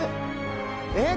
えっ？